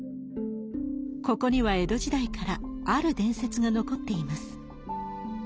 ここには江戸時代からある伝説が残っています。